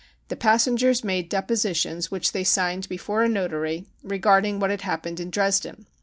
The passengers made depositions which they signed before a Notary, regarding what had happened in Dresden.